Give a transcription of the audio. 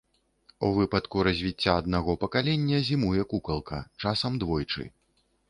У выпадку развіцця аднаго пакалення зімуе кукалка, часам двойчы.